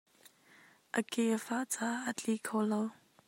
A ke a fah caah a tli kho lo.